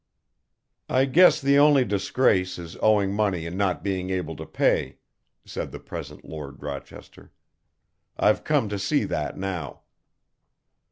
"I guess the only disgrace is owing money and not being able to pay," said the present Lord Rochester. "I've come to see that now."